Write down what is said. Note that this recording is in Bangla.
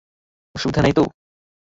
অসুবিধা নাই তো?